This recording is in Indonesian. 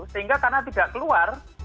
sehingga karena tidak keluar